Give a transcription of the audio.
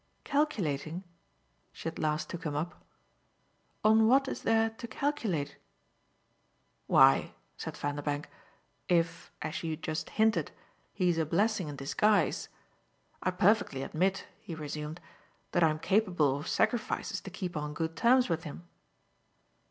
"'Calculating'?" she at last took him up. "On what is there to calculate?" "Why," said Vanderbank, "if, as you just hinted, he's a blessing in disguise ! I perfectly admit," he resumed, "that I'm capable of sacrifices to keep on good terms with him."